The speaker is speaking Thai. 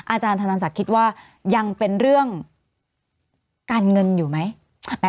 อาจารย์ธนันศักดิ์คิดว่ายังเป็นเรื่องการเงินอยู่ไหม